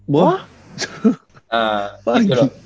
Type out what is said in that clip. karena disitu saya berhubungan dengan gini